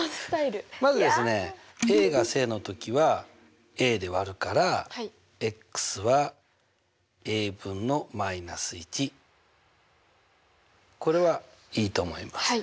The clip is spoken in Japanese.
まずですねが正の時はで割るからこれはいいと思います。